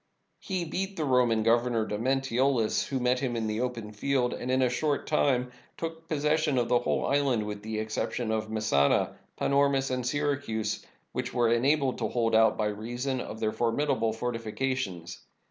He beat the Roman governor, Domnentiolus, who met him in the open field, and in a short time took possession of the whole island, with the exception of Messana, Panormus, and Syracusae, which were enabled to hold out by reason of their for midable fortifications.